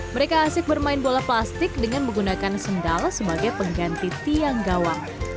mereka asik bermain bola plastik dengan menggunakan sendal sebagai pengganti tiang gawang